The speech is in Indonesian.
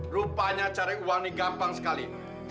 rupanya cari uang ini gampang sekali